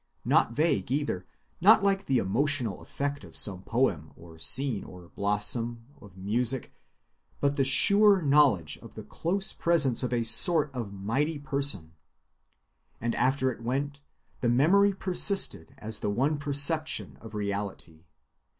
Not vague either, not like the emotional effect of some poem, or scene, or blossom, of music, but the sure knowledge of the close presence of a sort of mighty person, and after it went, the memory persisted as the one perception of reality.